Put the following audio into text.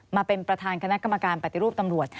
มาเป็นประธานคณะกรรมการปฏิรูปตำรวจ